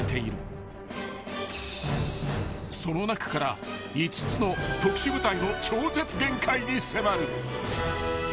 ［その中から５つの特殊部隊の超絶限界に迫る］